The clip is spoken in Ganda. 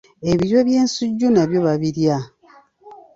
Ebiryo by'ensujju nabyo babirya.